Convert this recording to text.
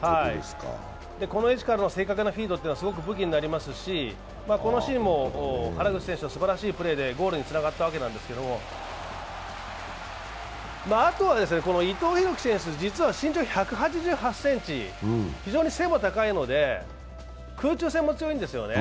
この位置からの正確なフィードはすごく武器になりますしこのシーンも原口選手のすばらしいプレーでゴールにつながったわけなんですけど、あとは伊藤洋輝選手、実は身長１８８ｃｍ、非常に背も高いので空中戦も強いんですよね。